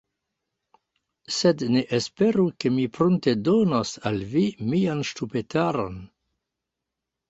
Sed ne esperu, ke mi pruntedonos al vi mian ŝtupetaron.